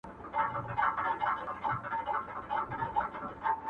سمدلاه یې و سپي ته قبر جوړ کی,